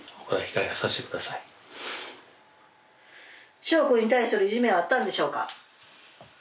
翔君に対するいじめはあったんでしょうか？